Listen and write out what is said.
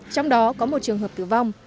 trong đó có một trường hợp tử vong